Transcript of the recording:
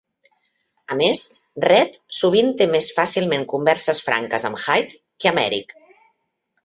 A més, Red sovint té més fàcilment converses franques amb Hyde que amb Eric.